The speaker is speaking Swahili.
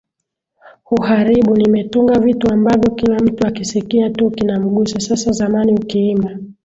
huharibu Nimetunga vitu ambavyo kila mtu akisikia tu kinamgusa Sasa zamani ukiimba